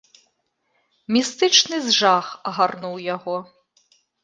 Містычны жах агарнуў яго.